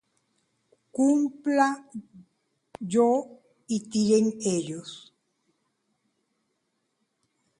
Cumpla yo y tiren ellos.